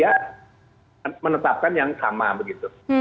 dan menetapkan yang sama begitu